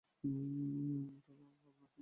তবে আর ভাবনা কি ছিল?